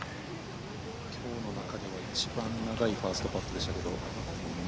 きょうの中では一番長いファーストパットでしたけど。